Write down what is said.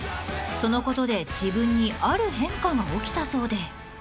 ［そのことで自分にある変化が起きたそうで］